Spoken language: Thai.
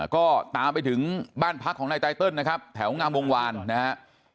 ก็ตามไปถึงบ้านพักของนายไตเติลนะครับแถวงามวงวานนะครับ